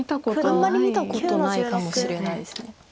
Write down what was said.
あんまり見たことないかもしれないです。